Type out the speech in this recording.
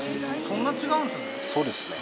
そんな違うんですね。